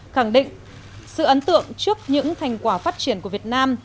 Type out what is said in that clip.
khẳng định sự ấn tượng trước những thành quả phát triển của việt nam